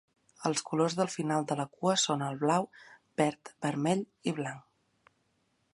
Els colors del final de la cua són el blau, verd, vermell i blanc.